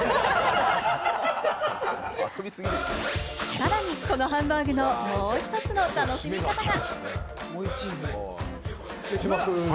さらにこのハンバーグのもう１つの楽しみ方が。